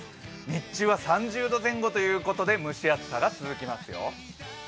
日中は３０度前後ということで、蒸し暑さが続きますよ。